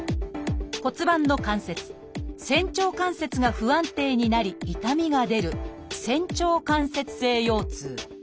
骨盤の関節「仙腸関節」が不安定になり痛みが出る「仙腸関節性腰痛」。